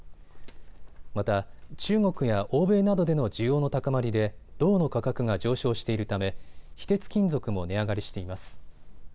また、中国や欧米などでの需要の高まりで銅の価格が上昇しているため非鉄金属も値上がりしています。